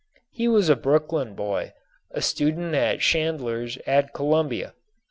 He was a Brooklyn boy, a student of Chandler's at Columbia.